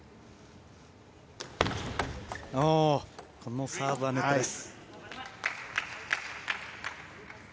このサーブはネットです。